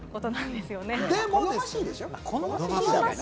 「好ましい」でしょ？